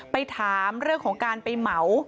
ไปถามเรื่องของการไปเหมา